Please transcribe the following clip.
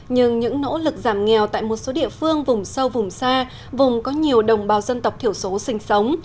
nhưng những nỗ lực giảm nghèo tại một số địa phương vùng sâu vùng xa vùng có nhiều đồng bào dân tộc thiểu số sinh sống